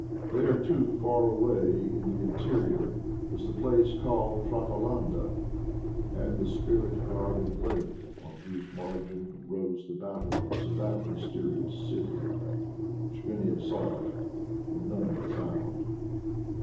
There, too, far away in the in terior, was the place called Trapalanda, and the spirit guarded lake, on whose margin rose the battlements of that mysterious city, which many have sought and none have found.